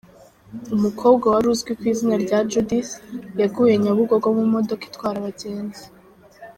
Umukobwa wari uzwi ku izina rya Judith yaguye Nyabugogo mu modoka itwara abagenzi.